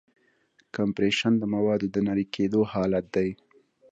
کمپریشن د موادو د نری کېدو حالت دی.